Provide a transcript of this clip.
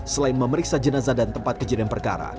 selain memeriksa jenazah dan tempat kejadian perkara